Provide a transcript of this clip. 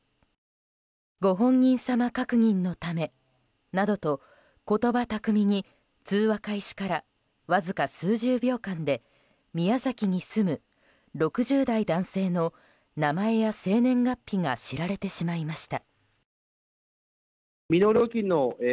ご本人様確認のため、などと言葉巧みに通話開始からわずか数十秒間で宮崎に住む６０代男性の名前や生年月日が知られてしまいました。